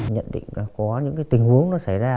nhận định là có những cái tình huống nó xảy ra